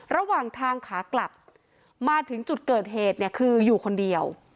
ระหว่างทางขากลับมาถึงจุดเกิดเหตุเนี่ยคืออยู่คนเดียว